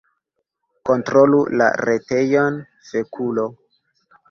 "Kontrolu la retejon, fekulo"